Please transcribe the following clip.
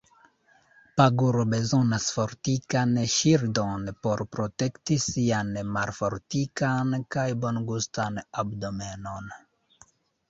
Paguro bezonas fortikan ŝildon por protekti sian malfortikan kaj bongustan abdomenon.